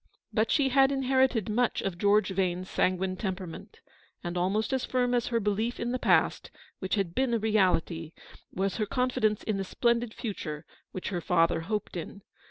But she had inherited much of George Vane's sanguine temperament, and almost as firm as her belief in the past, which had been a reality, was her confidence in the splendid future, which her father hoped in.